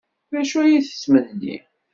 D acu ay yettmenni?